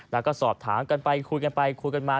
แล้วก็สอบถามกันไปคุยกันไปคุยกันมา